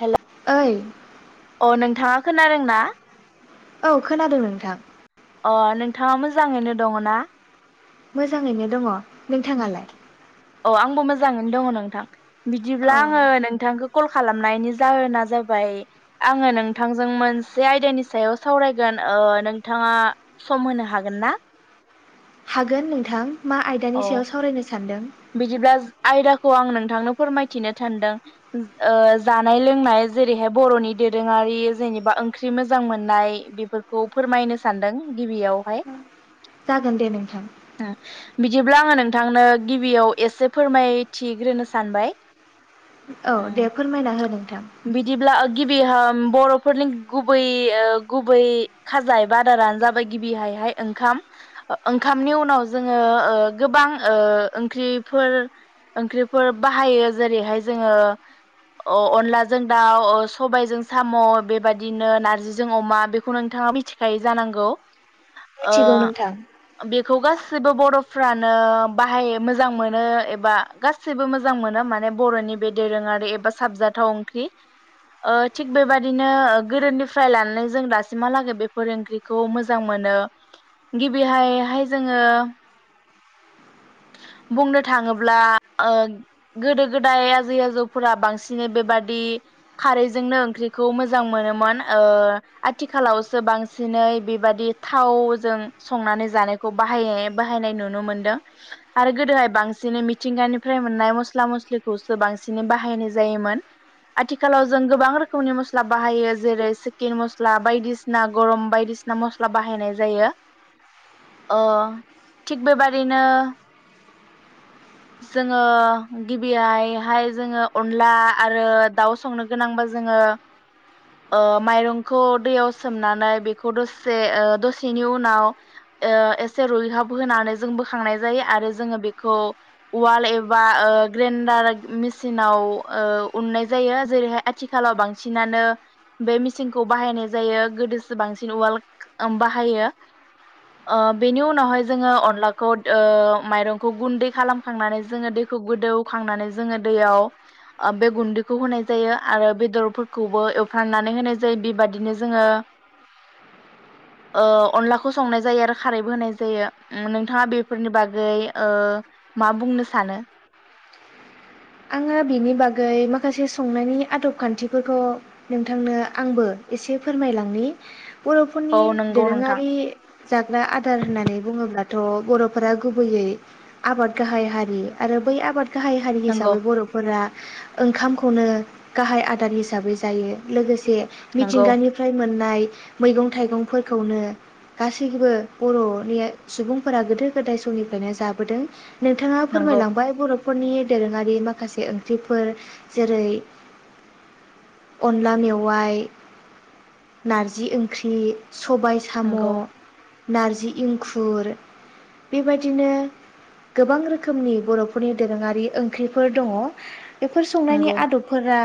हेल' ओइ अ नोंथाङा खोनादोंना? औ खोनादों नोंथां। अ नोंथाङा मोजाङैनो दङ ना? मोजाङैनो दङ। नोंथाङालाय औ आंबो मोजां। दङ नोंथां। औ बिदिब्ला आङो नोंथांखौ कल खालामनायनि जाहोना जाबाय आङो नोंथांजों मोनसे आयदानि सायाव सावरायगोन ओ नोंथाङा सम होनो हागोन ना? हागोन नोंथां। मा आयदानि सायाव सावरायनो अ सानदों बिदिब्ला आयदाख खौ आं नोंथांनो फोरमायथिनो थानदों जानाय लोंनाय जेरैहाय बर'नि दोरोङारि जेनेबा ओंख्रि मोजां मोननाय बेफोरखौ फोरमायनो सानदों गिबियावहाय। जागोन दे नोंथां। ओ बिदिब्ला आङो नोंथांनो गिबियाव एसे फोरमायथिग्रोनो सानबाय। औ दे ओ फोरमायना होदो। बिदिब्ला गिबि होम बर'फोरनि गुबै ओ गुबै खाजा एबा बादारानो जाबाय गिबिहायहाय ओंखाम ओंखामनि उनाव जोङो ओ गोबां ओ ओंख्रिफोर ओंख्रिफोर बाहायो जेरैहाय जोङो अ-अनला जों दाउ सबायजों साम' बेबदिनो नारजिजों अमा बेखौ नोंथाङा मिथिखायो जानांगौ। मिथिगौ नोंथां। खौ गासिबो बर'फ्रानो बाहायो मोजां मोनो एबा गासैबो मोजां मोनो माने बर'नि बे दोरोङारि एबा साबजाथाव ख्रि ओ थिग बेबायदिनो ओ गोदोनिफ्राय लानानै जों दासिमहालागै बेफोर ओंख्रिखौ मोजां मोनो गिबिहाय हाय जोङो बुंनो थाङोब्ला ओ गोदो गोदाय आजै आजौफोरा बांसिनै बेबादि खारैजोंनो ओंख्रिखौ मोजां मोनोमोन ओ आथिखालावसो बांसिनै बेबादि थावजों संनानै जानायखौ बाहाय बाहायनाय नुनो मोनदों। आरो गोदोहाय बांसिन मिथिंगानिफ्राय मोननाय मस्ला मस्लिखौसो बांसिन बाहायनाय जायोमोन आथिखालाव जों गोबां रोखोमनि मस्ला बाहायो जेरै चिकेन मस्ला बायदिसिना गरम बायदिसिना मस्ला बाहायनाय जायो ओ थिग बेबादि नो जोङो गिबियाय हाय जोङो अनला आरो दाउ संनो गोनांबा जोङो ओ माइरंखौ दैयाव सोमनानै बेखौ दसे ओ दसेनि उनाव ओ एसे रुइहाब होनानै। जों बोखांनाय जायो आरो जोङो बेखौ उवाल एबा ओ ग्रेन्डार मेचिनाव ओ उननाय जायो जेरैहाय आथिखालाव बांसिनानो बे मेचिनखौ बाहायनाय जायो गोदोसो बांसिन उवाल बाहायो ओ बेनि उनावहाय जोङो अनला खौ ओ माइरंखौ गुन्दै खालामखांनानै जोङो दैखौ गोदौखांनानै जोङो दैयाव ओ बे गुन्दैखौ होनाय जायो आरो बेदरफोरखौबो एवफ्राननानै होनाय जायो बेबादिनो जोङो ओ अनलाखौ संनाय जायो आरो खारैबो होनाय जायो ओम। थाङा बेफोरनि बागै ओ मा बुंनो सानो? आङो बिनि बागै माखासे संनायनि आदब खान्थिफोरखौ नोंथांनो आंबो एसे फोरमायलांनि। बर'फोरनि औ नंगौ नोंथां दोरोङारि जाग्रा आदार होननानै बुङोब्ला अ बर'फोरा गुबैयै आबाद गाहाय हारि आरो बै आबाद गाहाय हा नंगौ हिसाबै बर'फोरा ओंखामखौनो गाहाय आदार हिसाबै जायो लोगोसे से नंगौ मिथिंगानिफ्राय मोननाय। मैगं थाइगंफोरखौनो गासैबो बर'नि सुबुंफोरा गोदो गोदाय समनिफ्रायनो जाबोदों। नोंथाङा नंगौ फोरमायलांबाय बरफ फोरनि दोरोङारि। बे माखासे ओंख्रिफोर जेरै अनला मेवाय नारजि ओंख्रि। सबाय साम'। नंगौ नार्जि इंखुर बेबायदिनो गोबां रोखोमनि बर'फोरनि दोरोङारि ओं ख्रिफोर दङ। बेफोर संनायनि नंगौ आदबफोरा।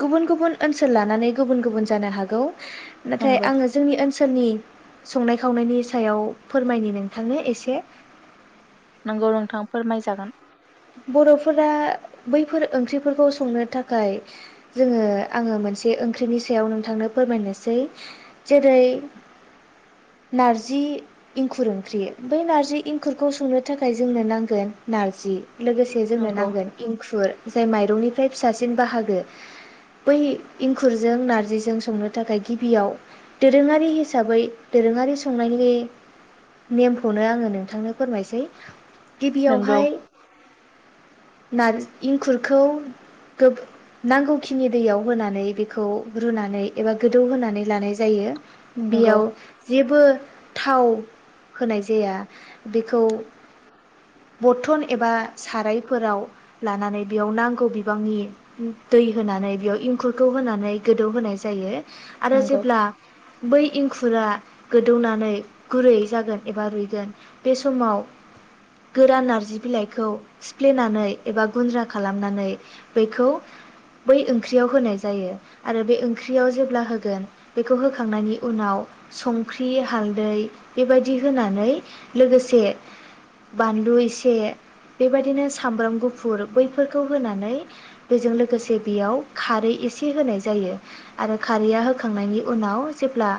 गुबुन गुबुन ओनसोल लानानै गुबुन गुबुन जानो हागौ। नाथाय नंगौ आङो जोंनि ओन सोरनि संनाय खावनायनि सायाव फोरमायनि नोंथांनो एसे। नोंगौ नोंथां फोरमायजागोन। बर'फोरा बैफोर ओंख्रिफोरखौ संनो थाखाय जोङो आङो मोनसे ओंख्रिनि सायाव नोंथांनो फोरमायनोसै जेरै नार्जि इंखुर ओंख्रि बै नारजि इंखुरखौ संनो थाखाय जोंनो नांगोन नार्जि। लोगोसे जोंनो नंगौ नांगोन इंखुर। जाय माइरंनिफ्राय फिसासिन बाहागो बै इंखुरजों नारजिजों संनो थाखाय गिबियाव दोरोङारि हिसाबै दोरोङारि संनायनि नेमखौनो आङो नोंथांनो फोरमायसै। नंगौ गिबियावहाय नार इंखुरखौ गोब नांगौखिनि दैयाव होनानै बेखौ रुनानै एबा गोदौ होनानै लानाय जायो। नंगौ बेयाव जेबो थाव होनाय जाया बेखौ बथन एबा सारायफोराव लानानै बेयाव नांगौ बिबांनि दै होनानै बेयाव इंखुरखौ होनानै गोदौ होनोनाय जायो। आरो नंगौ जेब्ला बै एंखुरा गोदौनानै गुरै जागोन एबा रुइगोन बे समाव गोरा नार्जि। बिलाइखौ सिफ्लेनानै एबा गुन्द्रा खालामनानै बेखौ बै ओंख्रियाव होनाय जायो आरो बे ओंख्रियाव जेब्ला होगोन बेखौ होखांनायनि उनाव संख्रि हालदै बेबायदि होनानै लोगोसे बानलु एसे। बेबायदिनो सामब्राम गुफुर बैफोरखौ होनानै बेजों लोगोसे बेयाव खारै एसे होनाय जायो आरो खारैया होखांनायनि उनाव जेब्ला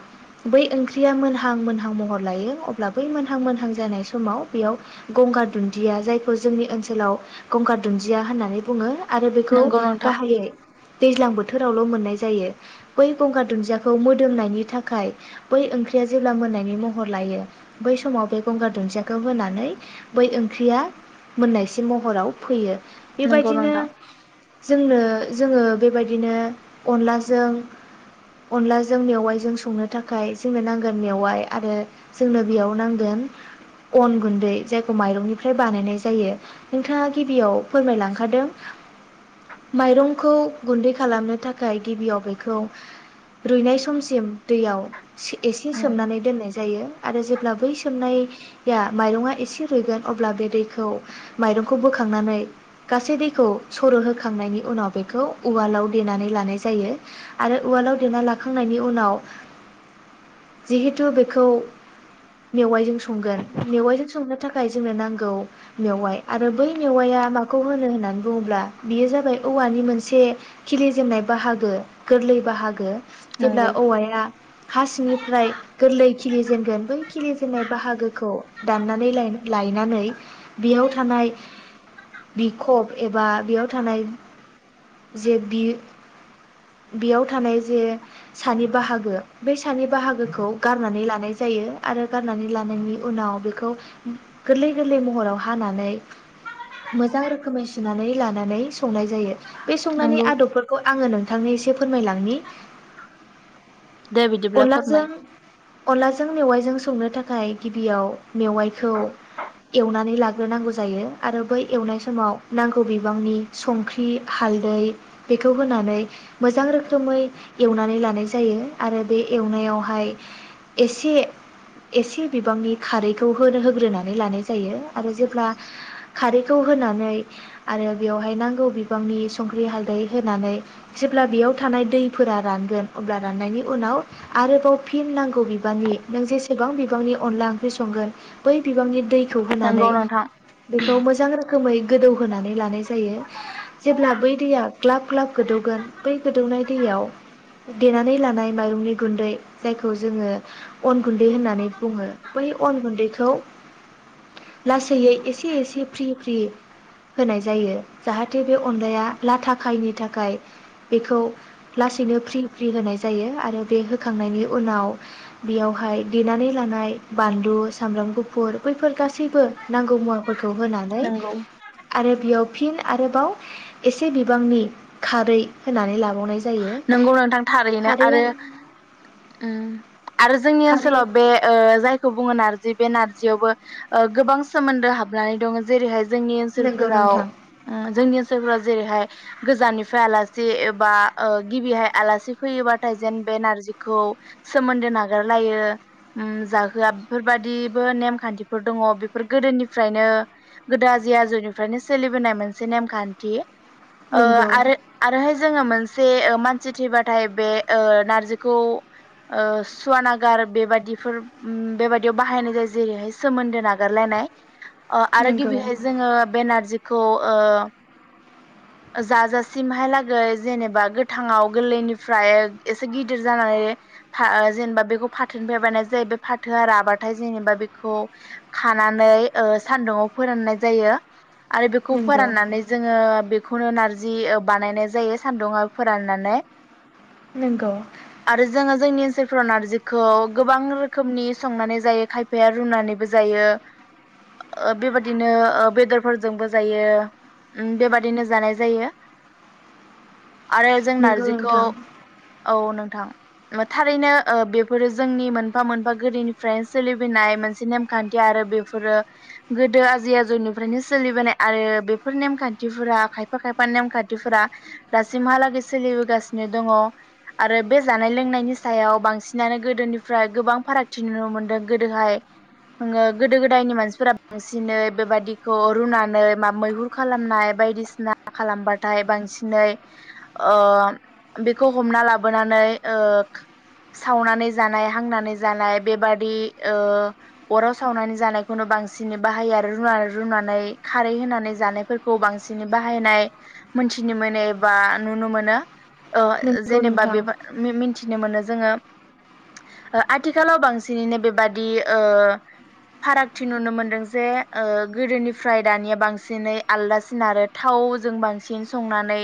बै ओंख्रिया मोनहां मोनहां महर लायो अब्ला बै मोनहां मोनहां जानाय समाव बेयाव गंगार दुन्दिया खौ जोंनि ओनसोलाव गंगार दुन्दिया होननानै बुङो आरो बेखौ नंगौ नोंथां गाहायै दैज्लां बोथोरावल मोननाय जायो बै गंगार दुन्दियाखौ मोदोमनायनि थाखाय बै ओंख्रिया जेब्ला मोननायनि महर लायो बै समाव बे गंगार दुन्दियाखौ होनानै बै ओंख्रिया मोननायसिम महराव फैयो। नोंगौ बेबायदिनो नोंथां। जोंनो जोङो बेबायदिनो अनलाजों अनलाजों मेवाइजों संनो थाखाय जोंनो नांगोन मेवाइ आरो जोंनो बेयाव नांगोन अन गुन्दै जायखौ माइरंनिफ्राय बानायनाय। जायो। नोंथाङा गिबियाव फोरमायलांखादों माइरंखौ गुन्दै खालामनो थाखाय गिबियाव बेखौ रुयनाय समसिम दैयाव एसे उम सोमनानै दोननाय जायो आरो जे ब्ला बै सोमनाया माइरंया एसे रुइगोन अब्ला बे दै खौ माइरंखौ बोखांनानै गासै दैखौ सर'होखांनायनि उनाव बेखौ उवालाव देनानै लानाय जायो। आरो उवालाव देना लाखांनायनि उनाव। जिहेथु बेखौ मेवाइजों संगोन मेवाइजों संनो थाखाय जोंनो नांगौ मेवाइ आरो बै मेवाइआ माखौ होनो होननानै बुङोब्ला? बेयो जाबाय औवानि मोनसे खिलि जेननाय बाहागो गोरलै बाहागो। जेब्ला नंगौ औवाया हा सिंनिफ्राय गोरलै खिलिस जेनगोन बै खिलिजेननाय बाहागो। खौ दाननानै लाय लायनानै। बेयाव थानाय बिखब एबा बेयाव थानाय जे बि बेयाव थानाय जे सानि बाहागो बे सानि बाहागोखौ गारनानै लानाय जायो आरो गारनानै लानायनि उनाव बेखौ गोरलै गोरलै महराव। हानानै मोजां रोखोमै सुनानै लानानै संनाय जायो। बे संनायनि नंगौ आदबफोरखौ आङो नों थांनो एसे फोरमायलांनि। दे बिदिब्ला फोरमाय अनलाजों अनलाजों मेवाइजों संनो थाख फ्राय गिबियाव मेवाइखौ एवनानै ला ग्रोनांगौ जायो आरो बै एवनाय समाव नांगौ बिबांनि संख्रि हालदै बेखौ होनानै मोजां रोखोमै एवनानै लानाय जायो। आरो बे एवनायावहाय एसे एसे बिबांनि खारैखौ होनो होग्रोनानै लानाय जायो। आरो जेब्ला खारैखौ होनानै आरो बेवहाय नांगौ बिबांनि संख्रि हालदै होनानै जेब्ला बेयाव थानाय दैफोरा रानगोन अब्ला राननायनि उनाव आरोबाव फिन नांगौ बिबांनि नों जेसेबां बिबांनि अनला ओंख्रि संगोन बै बिबांनि दै खौ होनानै। नंगौ नोंथां बेखौ मोजां रोख खोमै गोदौहोनानै लानाय जायो जेब्ला बै दैया ग्लाब ग्लाब गोदौगोन बै गोदौनाय दैयाव देनानै लानाय माइरंनि गुन्दै जायखौ जोङो अन गुन्दै होननानै बुङो बै अन गुन्दैखौ। लासैयै एसे एसे फ्रि फ्रि होनाय जायो। जाहाथे बे अनलाया लाथाखायनि थाखाय बेखौ लासैनो फ्रि फ्रि होनाय जायो। आरो बे होखांनायनि उनाव बेयावहाय देनानै लानाय बानलु सामब्राम गुफुर बैफोर गासैबो। नांगौ मुवाफोर खौ होनानै नंगौ आरो बेयाव फिन आरोबाव एसे बिबांनि खारै होनानै लाबावनाय जायो नोंगौ नोंथां थारैनो आरो खारैया आरो जोंनि खारै ओनसोलाव बे ओ जाय खौ बुङो नारजि बे नारजियावबो ओ गोबां सोमोन्दो हाबनानै दङ जेरैहाय जोंनि नंगौ ओनसोलफोराव नोंथां ओ जोंनि ओनस जोङो जेरैहाय गोजाननिफ्राय आलासि एबा ओ गिबिहाय आलासि फैयोबाथाय जेन बे नारजिखौ सोमोन्दो नागारलायो उम जाहोआ बेफोरबादिबो नेमखान्थिफोर दङ। बेफोर गोदोनिफ्रायनो गोदो आजै आजौनिफ्रायनो सोलिबोनाय मोनसे नेमखान्थि। ओ नंगौ आरो आरोहाय जोङो मोन से ओ मानसि थैबाथाय बे ओ नारजिखौ ओ सुवा नागार बेबादिफोर उम बेबादियाव बाहायनाय जायो जेरैहाय सोमोन्दो नागारलायनाय। अ' आरो नंगौ गिबिहाय जोङो बे नारजि खो ओ जाजासिमहायलागै जेनेब बा गोथाङाव गोरलैनिफ्राय एसे गिदिर जानानै फा ओ जेनेबा बेखौ फाथोनिफ्राय बानाय जायो बे फाथोआ राबाथाय जेनेबा बेखौ खानानै ओ सानदुङाव फोराननाय जायो। आरो बेखौ नंगौ फोराननानै जोङो बेखौनो नारजि जि ओ बानायनाय जायो सान्दुङाव फोराननानै नंगौ आरो जोङो जोंनि ओन सोलफोराव नारजिखौ गोबां रोखोमनि संनानै जायो खायफाया रुनानैबो जायो ओ बेबाददिनो ओ बेदरफोरजोंबो जायो उम बेबादिनो जानाय जायो। आरो जों नंगौ नारजिखौ नोंथां औ नों थां थारैनो ओ बेफोरो जोंनि मोनफा मोनफा गोदोनिफ्रायनो सोलिबोनाय मोनसे नेमखान्थि आरो बेफोरो गोदो आजै आजौनिफ्रायनो सोलिबोनाय आरो बेफोर नेमखान्थिफोरा खायफा खायफा नेमखान्थिफोरा दासिमहालागै सोलिबोगासिनो दङ आरो बे जानाय लोंनायनि सायाव बांसिनानो गोदोनिफ्राय गोबां फारागथि नुनो मोनदों गोदोहाय ङो गोदो गोदायनि मानसिफोरा बांसिनै बेबादिखौ रुनानै मा मैहुर खालामनाय बायदिसिना खालामबाथाय बांसिनै ओ बेखौ हमना लाबोनानै ओ सावनानै जानाय हांनानै जालाय बेबादि ओ अराव सावनानै जानायखौनो बांसिनै बाहायो आरो रुना रुनानै खारै होनानै जानायफोरखौ बांसिनै बाहायनाय मोनथिनो मोनो बा नुनो मोनो औ नंगौ जेनेबा नोंथां बेबा मिन मिनथिनो मोनो जोङो ओ आथिखालाव बांसिनैनो बेबादि ओ फारागथि नुनो मोनदों जे ओ गोदोनिफ्राय दानिया बांसिनै आलदासिन आरो थावजों बांसिन संनानै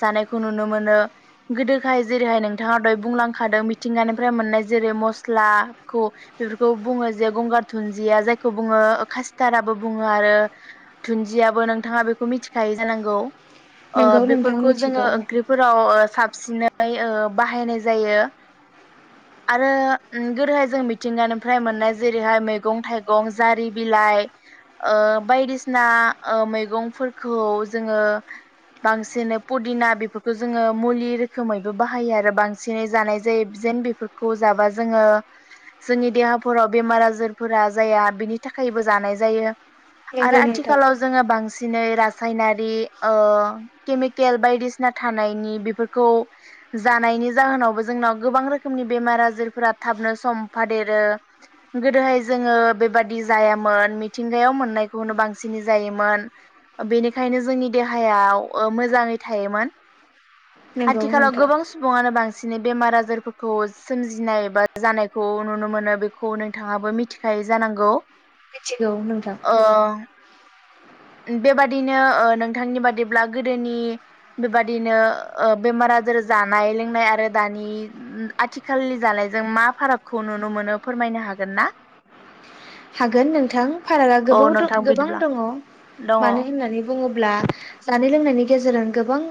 जानायखौ नुनो मोनो गोदोहाय जेरैहाय नोंथाङा दहाय बुंलांखादों मिथिंगानिफ्राय मोननाय जेरै मस्लाखौ बेफोरखौ बुङो जे गंगार दुुनदिया जायखौ बुङो कासिताराबो बुङो आरो दुन्दियाबो नोंथाङा बेखौ मिथिखायो जानांगौ ओ नंगौ बेफोर नोंथां खौ जोङो मिथिगौ ओंख्रिफोराव ओ साब सिनै ओ बाहायनाय जायो आरो उम गोदोहाय जों मिथिंगानिफ्राय मोननाय जेरैहाय मैगं थाइगं जारि बिलाइ ओ बायदिसिना ओ मैगंफोरखौ जोङो बांसिनै पुदिना बेफोरखौ जोङो मुलि रोखोमैबो बाहायो आरो बांसिनै जानाय जायो जेन बेफोरखौ जाबा जोङो जोंनि देहाफोराव बेमार आजारफोरा जाया बिनि थाखायबो जानाय जायो। आरो नंगौ नोंथां आथिखालाव जोङो बांसि सिनै रासायनारि ओ केमि केल बायदिसिना थानायनि बेफोरखौ जानायनि जाहोनावबो जोंनाव गोबां रोखोमनि बेमार आजारफोरा थाबनो समफादेरो गोदोहाय जोङो बेबादि जायामोन मिथिंगायाव मोननायखौनो बांसिनै जायोमोन ओ बेनिखायनो जोंनि देहायाव ओ मो जाङै थायोमोन नंगौ आथिखालाव नोंथां गोबां सुबुङानो बांसि सिनि बेमार आजारफोरखौ सोमजिनाय एबा जानायखौ नुनो मोनो बेखौ नोंथाङाबो मिथिखायो जानांगौ मिथिगौ नोंथां ओ बेबादिनो ओ नोंथांनि बादिब्ला गोदो नि बेबादिनो ओ बेमार आजार जानाय लोंनाय आरो दानि आथिखालनि जानायजों मा फारागखौ नुनो मोनो फोरमायनो हागोन ना हागोन नोंथां फारागा औ गोबावथ नोंथां गोबां बिदिब्ला दङ दङ मानो होननानै बुङोब्ला जानाय लोंनायनि गेजेरजों गोबां